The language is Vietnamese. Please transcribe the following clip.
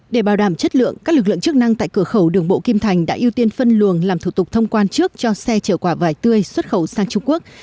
để bảo đảm chất lượng các lực lượng chức năng tại cửa khẩu đường bộ kim thành đã ưu tiên phân luồng làm thủ tục thông quan trước cho xe chở quả vải tươi xuất khẩu sang trung quốc